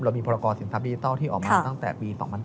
เรามีพอรกอสินทรัพย์ดิจิตอลที่ออกมาตั้งแต่ปี๒๐๑๘